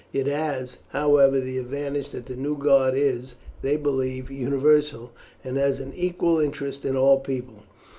It has, however, the advantage that the new God is, they believe, universal, and has an equal interest in all people.